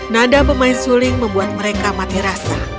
nada pemain suling membuat mereka mati rasa